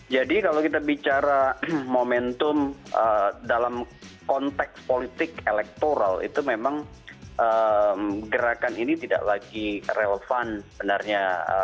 jadi kalau kita bicara momentum dalam konteks politik elektoral itu memang gerakan ini tidak lagi relevan sebenarnya